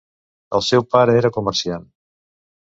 El seu pare era comerciant.